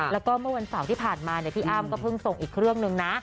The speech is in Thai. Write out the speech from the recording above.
แล้วก็เมื่อวันเสาร์ที่ผ่านมาพี่อ้ำก็เพิ่งส่งอีกเครื่องนึงนะ